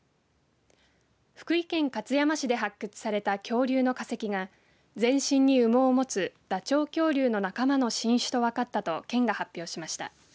福井県勝山市で発掘された恐竜の化石が全身に羽毛を持つダチョウ恐竜の仲間の新種と分かったと県が発表しました。